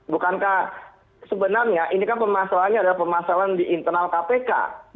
bukankah sebenarnya ini kan permasalahannya adalah permasalahan di internal kpk